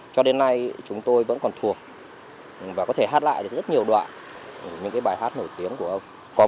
cho đến nay chúng tôi vẫn còn thuộc và có thể hát lại được rất nhiều đoạn những bài hát nổi tiếng của ông